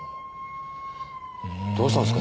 どうしたんですか？